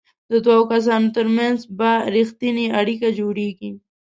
د دوو کسانو ترمنځ به ریښتینې اړیکه جوړیږي.